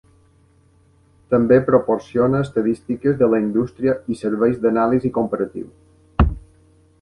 També proporciona estadístiques de la indústria i serveis d'anàlisi comparatiu.